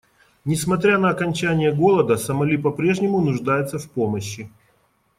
Несмотря на окончание голода, Сомали по-прежнему нуждается в помощи.